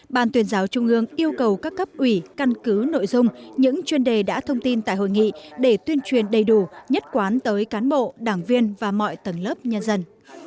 ban tuyên giáo trung ương yêu cầu các cấp ủy căn cứ nội dung những chuyên đề đã thông tin tại hội nghị để tuyên truyền đầy đủ nhất quán tới cán bộ đảng viên và mọi tầng lớp nhân dân